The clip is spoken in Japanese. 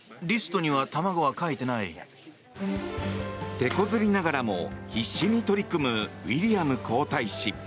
手こずりながらも必死に取り組むウィリアム皇太子。